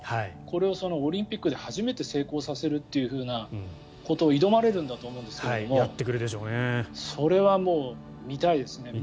これをオリンピックで初めて成功させるということに挑まれると思うんですけどそれはもう見たいですね。